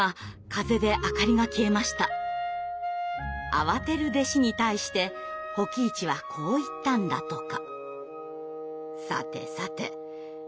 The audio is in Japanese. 慌てる弟子に対して保己一はこう言ったんだとか。